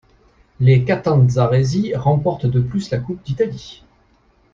Les catanzaresi remportent de plus la Coupe d'Italie.